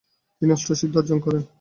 তিনি অষ্টসিদ্ধি অর্জন করেন।